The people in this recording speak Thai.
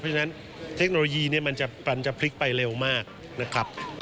เพราะฉะนั้นเทคโนโลยีเนี่ยมันจะพลิกไปเร็วมากนะครับ